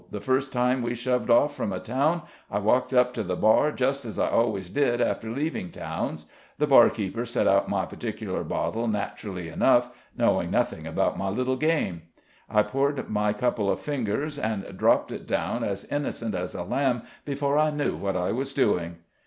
the first time we shoved off from a town I walked up to the bar just as I always did after leaving towns; the barkeeper set out my particular bottle naturally enough, knowing nothing about my little game; I poured my couple of fingers, and dropped it down as innocent as a lamb before I knew what I was doing.